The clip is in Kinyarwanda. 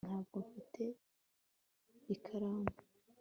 ntabwo mfite ikaramu